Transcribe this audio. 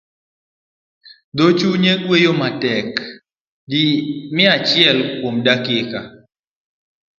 Dho chunye ne gweyo matek di mia achiel kuom dakika.